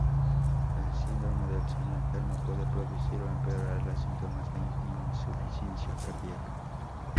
El síndrome del seno enfermo puede producir o empeorar los síntomas de insuficiencia cardíaca.